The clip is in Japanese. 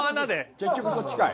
結局そっちかい。